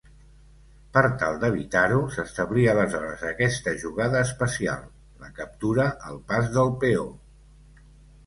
Per tal d'evitar-ho, s'establí aleshores aquesta jugada especial: la captura al pas del peó.